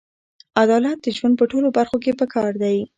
عدالت د ژوند په ټولو برخو کې پکار دی.